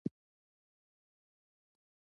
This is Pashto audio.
وزني استنادي دیوال د خپل وزن په واسطه فشار زغمي